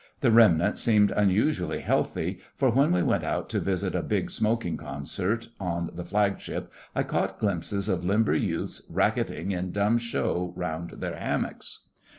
The remnant seemed unusually healthy, for when we went out to visit a big smoking concert on the Flagship I caught glimpses of limber youths racketting in dumb show round their hammocks.